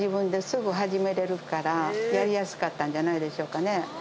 やりやすかったんじゃないでしょうかね。